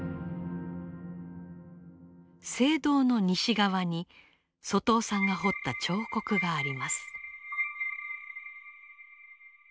聖堂の西側に外尾さんが彫った彫刻があります。